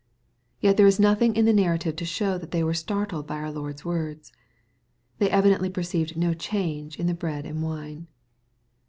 Yet there is nothing in the nar rative to shew that they were startled by our Lord's words. They evidently perceived no change in the bread and wine.